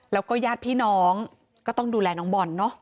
แล้วก็ญาติพี่น้องก็ต้องดูแลน้องบอลเนอะ